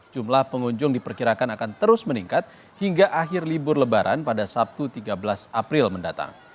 jumlah pengunjung diperkirakan akan terus meningkat hingga akhir libur lebaran pada sabtu tiga belas april mendatang